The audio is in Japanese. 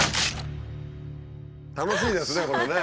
楽しいですねこれね。